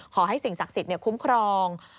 ขอให้สิ่งศักดิ์สิทธิ์คุ้มครอง